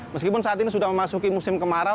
meskipun saat ini sudah memasuki musim kemarau